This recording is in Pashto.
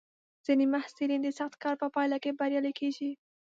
ځینې محصلین د سخت کار په پایله کې بریالي کېږي.